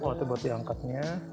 waktu buat diangkatnya